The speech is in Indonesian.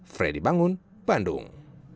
freddy bangun bandung